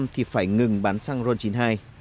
thì phải ngừng bán săng ron chín mươi hai